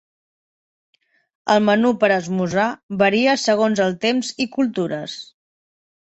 El menú per esmorzar varia segons els temps i cultures.